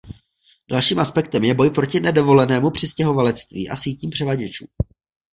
Dalším aspektem je boj proti nedovolenému přistěhovalectví a sítím převaděčů.